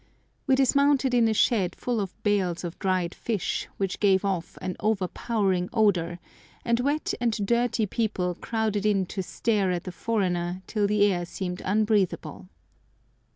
We dismounted in a shed full of bales of dried fish, which gave off an overpowering odour, and wet and dirty people crowded in to stare at the foreigner till the air seemed unbreathable.